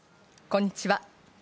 こんにちは。